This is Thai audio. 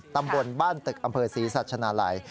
ตำบลบ้านตึกอำเภอศรีสัชนาลัย